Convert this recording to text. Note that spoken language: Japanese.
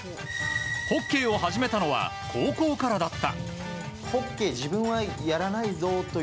ホッケーを始めたのは高校からだった。